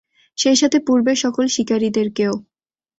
সেইসাথে পূর্বের সকল শিকারিদেরকেও।